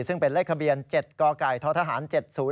ซึ่งเป็นเลขเกี่ยว๗กทธหาร๗๐๒๔